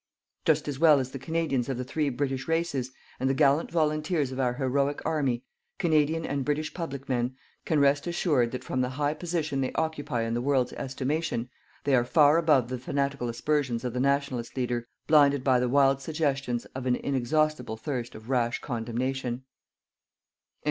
Just as well as the Canadians of the three British races, and the gallant volunteers of our heroic army, Canadian and British public men can rest assured that from the high position they occupy in the world's estimation, they are far above the fanatical aspersions of the Nationalist leader blinded by the wild suggestions of an inexhaustible thirst of rash condemnation.